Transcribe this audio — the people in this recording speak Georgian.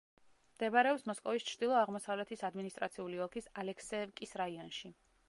მდებარეობს მოსკოვის ჩრდილო-აღმოსავლეთის ადმინისტრაციული ოლქის ალექსეევკის რაიონში.